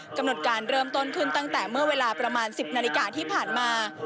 กำหนดการเริ่มต้นขึ้นตั้งแต่เมื่อเวลาประมาณ๑๐นาฬิกาที่ผ่านมา